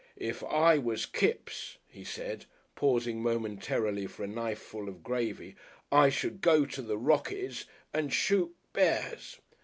"If I was Kipps," he said, pausing momentarily for a knifeful of gravy, "I should go to the Rockies and shoot bears."